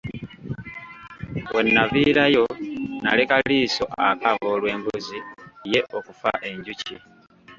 Wennaviirayo nnaleka Liiso akaaba olw'embuzi ye okufa enjuki.